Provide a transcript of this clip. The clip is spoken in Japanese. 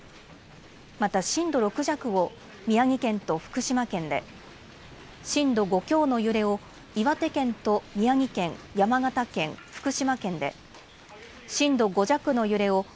また震度６弱を宮城県と福島県で、震度５強の揺れを岩手県と宮城県、山形県、福島県で、震度５弱の揺れを